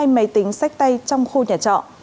hai máy tính sách tay trong khu nhà trọ